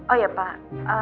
oh ya pak